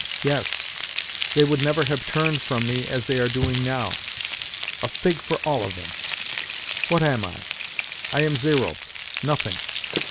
Yes, they would never have turned from me as they are doing now! A fig for all of them! What am I? I am zero—nothing.